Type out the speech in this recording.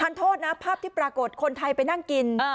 โทษนะภาพที่ปรากฏคนไทยไปนั่งกิน